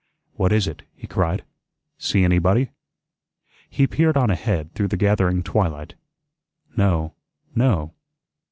"What is it?" he cried. "See anybody?" He peered on ahead through the gathering twilight. "No, no."